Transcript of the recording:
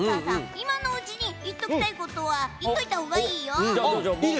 今のうちに言っておきたいことは言っといたほうがいいよ。